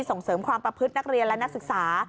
ส่งเสริมความประพฤตินักเรียนและนักศึกษา